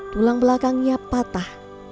tulang belakangnya patah